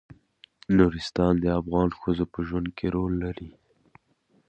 نورستان د افغان ښځو په ژوند کې رول لري.